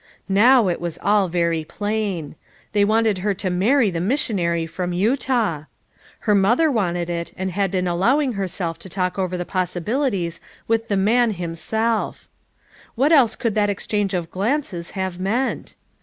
Now it was all very plain. They wanted her to marry the missionary from Utah! Her mother wanted it, and had been allowing her self to talk over the possibilities with the man 384 FOUR MOTIIEES AT CHAUTAUQUA himself 1 What else could that exchange of glances have meant?